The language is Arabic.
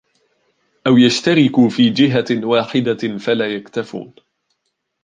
أَوْ يَشْتَرِكُوا فِي جِهَةٍ وَاحِدَةٍ فَلَا يَكْتَفُونَ